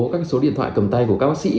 các số điện thoại cầm tay của các bác sĩ